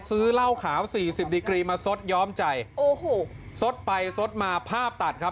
ซื้อเหล้าขาวสี่สิบดีกรีมาซดย้อมใจโอ้โหซดไปซดมาภาพตัดครับ